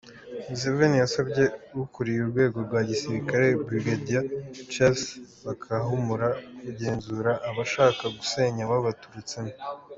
Museveni yasabye ukuriye urwego rwa gisirikare Brig Charles Bakahumura kugenzura abashaka gusenya babaturutsemo.